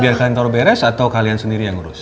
biar kantor beres atau kalian sendiri yang urus